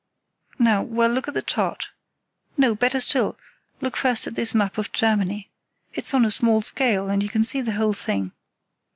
"Now—well, look at the chart. No, better still, look first at this map of Germany. It's on a small scale, and you can see the whole thing."